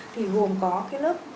thì gồm có cái lớp